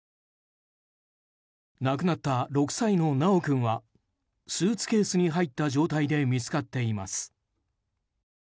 亡くなった６歳の修君はスーツケースに入った状態で見つかっています。